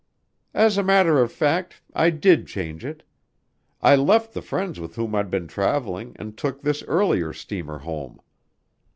"As a matter of fact, I did change it. I left the friends with whom I'd been traveling and took this earlier steamer home."